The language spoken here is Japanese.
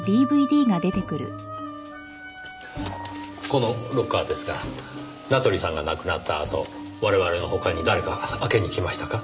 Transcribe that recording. このロッカーですが名取さんが亡くなったあと我々の他に誰か開けに来ましたか？